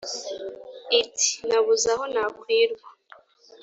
Iti: nabuze aho nakwirwa